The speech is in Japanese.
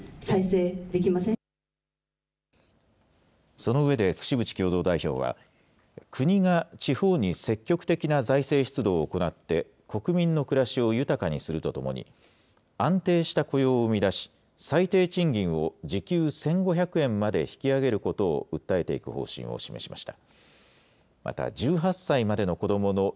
その上で櫛渕共同代表は、国が地方に積極的な財政出動を行って、国民の暮らしを豊かにするとともに、安定した雇用を生み出し、最低賃金を時給１５００円まで引き上げることを訴えていく方針を示しました。